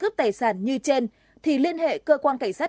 một vụ tại xã tiến hưng thị xã đồng xoài